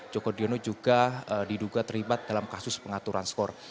joko driono juga diduga terlibat dalam kasus pengaturan skor